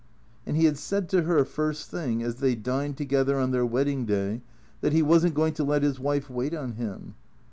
And he had said to her, first thing, as they dined together on their wedding day, that he was n't going to let his wife wait on him.